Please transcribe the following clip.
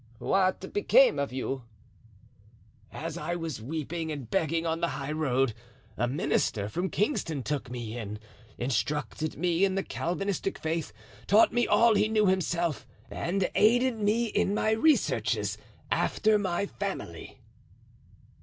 "What became of you?" "As I was weeping and begging on the high road, a minister from Kingston took me in, instructed me in the Calvinistic faith, taught me all he knew himself and aided me in my researches after my family."